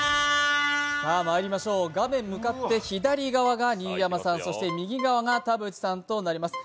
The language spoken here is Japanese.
まいりましょう、画面向かった左側が新山さん、そして右側が田渕さんとなります。